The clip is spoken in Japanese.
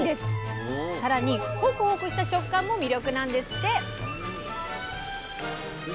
更にホクホクした食感も魅力なんですって。